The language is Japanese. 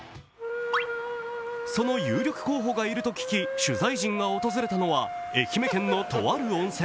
その有力候補がいると聞き取材陣が訪れたのは愛媛県のとある温泉。